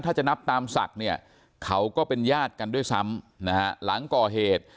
ถ้าจะนับตามศักดิ์เนี่ยเขาก็เป็นญาติกันด้วยซ้ำนะฮะหลังก่อเหตุ